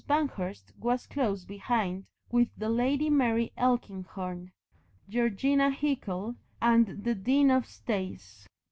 Banghurst was close behind with the Lady Mary Elkinghorn, Georgina Hickle, and the Dean of Stays.